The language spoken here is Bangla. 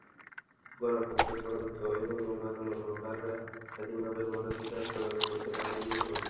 গণতন্ত্র পরাজিত হয়েছে নির্বাচনে ভোটাররা স্বাধীনভাবে ভোটাধিকার প্রয়োগ করতে পারেনি বলে।